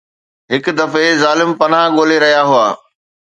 هڪ دفعي ظالم پناهه ڳولي رهيا هئا.